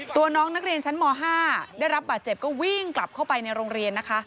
ตัวน้องนักเรียนชั้นม๕ได้รับบาดเจ็บก็วิ่งกลับเข้าไปในโรงเรียนนะคะ